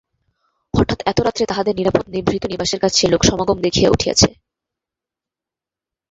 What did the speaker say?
হঠাৎ এত রাত্রে তাহাদের নিরাপদ নিভৃত নিবাসের কাছে লোকসমাগম দেখিয়া উঠিয়াছে।